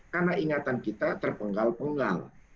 karena ingatan kita terpenggal penggal